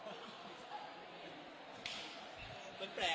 มันแปลกเนี่ย